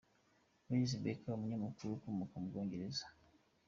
Lydia Becker, umunyamakuru ukomoka mu bwongereza .